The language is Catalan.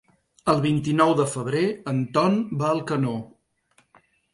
El vint-i-nou de febrer en Ton va a Alcanó.